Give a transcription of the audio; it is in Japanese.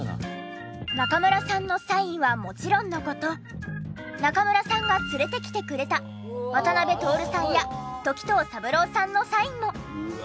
中村さんのサインはもちろんの事中村さんが連れてきてくれた渡辺徹さんや時任三郎さんのサインも！